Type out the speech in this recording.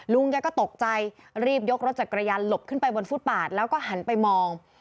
ลุงแกก็ตกใจรีบยกรถจักรยานหลบขึ้นไปบนฟุตปาดแล้วก็หันไปมอง